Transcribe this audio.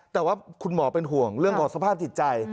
แต่ว่าคุณหมอเป็นห่วงเรื่องของสภาพจิตใจ